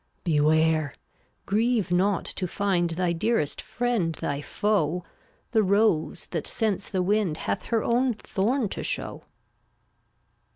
Beware! Grieve not to find Thy dearest friend thy foe The rose that scents the wind Hath her own thorn to show.